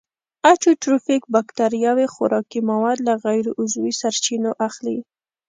اټوټروفیک باکتریاوې خوراکي مواد له غیر عضوي سرچینو اخلي.